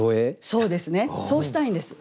そうですねそうしたいんです。